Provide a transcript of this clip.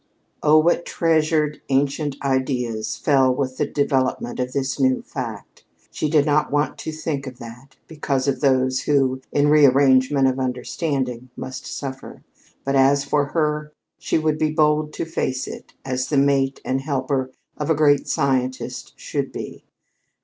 Oh, what treasured, ancient ideas fell with the development of this new fact! She did not want to think of that, because of those who, in the rearrangement of understanding, must suffer. But as for her, she would be bold to face it, as the mate and helper of a great scientist should be.